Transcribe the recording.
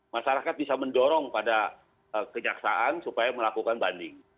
masyarakat bisa mendorong pada kejaksaan supaya melakukan banding